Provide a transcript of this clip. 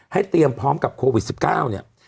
เตรียมพร้อมกับโควิด๑๙เนี่ย